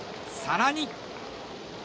更に。